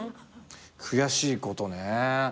悔しいことねえ。